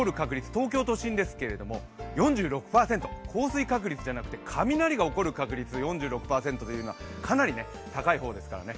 東京都心ですけど、４６％、降水確率じゃなくて雷が起きる確率が４６％というのは、かなり高い方ですからね。